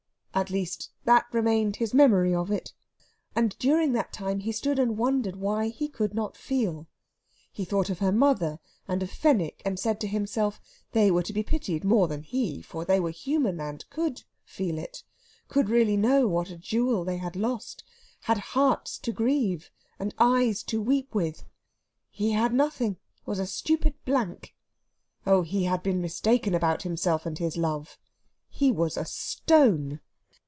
At least, that remained his memory of it. And during that time he stood and wondered why he could not feel. He thought of her mother and of Fenwick, and said to himself they were to be pitied more than he; for they were human, and could feel it could really know what jewel they had lost had hearts to grieve and eyes to weep with. He had nothing was a stupid blank! Oh, he had been mistaken about himself and his love: he was a stone.